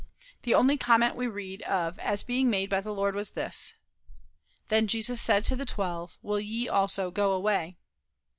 The only comment we read of as being made by the Lord was this: "Then said Jesus to the twelve: Will ye also go away?"